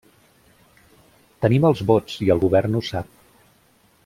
Tenim els vots i el govern ho sap.